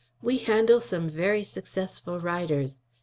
We handle some very successful writers.